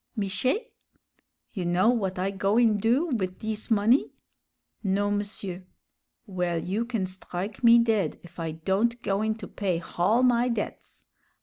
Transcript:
"Miché?" "You know w'at I goin' do wid dis money?" "Non, m'sieur." "Well, you can strike me dead if I don't goin' to pay hall my debts!